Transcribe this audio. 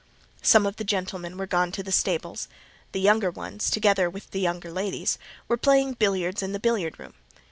Some of the gentlemen were gone to the stables: the younger ones, together with the younger ladies, were playing billiards in the billiard room.